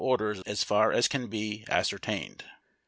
339 orders as far as can be ascertained.